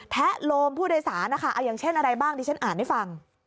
แทะโลมผู้โดยสารนะคะเอาอย่างเช่นอะไรบ้างดิฉันอ่านให้ฟัง